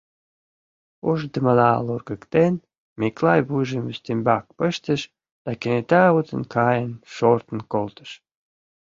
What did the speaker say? Ушдымыла лоргыктен, Миклай вуйжым ӱстембак пыштыш да кенета утен каен шортын колтыш.